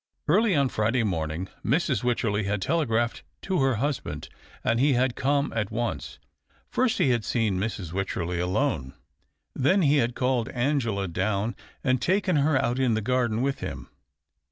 Early on Friday morning Mrs. Wycherley had telegraphed to her husband, and he had come at once. First he had seen Mrs. Wycherley alone ; then he had called Angela down and 286 THE OCTAVE OF CLAUDIUS. taken her out in the garden with him.